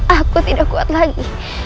aku tidak kuat lagi